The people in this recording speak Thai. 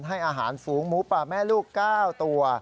ให้อาหารฝูงหมูป่าแม่ลูก๙ตัว